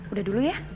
udah dulu ya